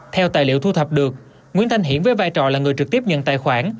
theo tài liệu thu thập được nguyễn thanh hiển với vai trò là người trực tiếp nhận tài khoản